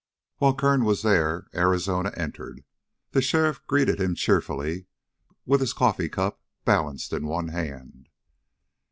While Kern was there, Arizona entered. The sheriff greeted him cheerfully, with his coffee cup balanced in one hand.